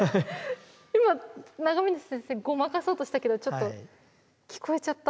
今永峰先生ごまかそうとしたけどちょっと聞こえちゃった。